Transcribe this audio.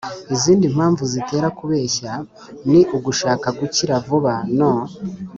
b Izindi mpamvu zitera kubeshya ni ugushaka gukira vuba no